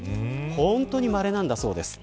本当に、まれなんだそうです。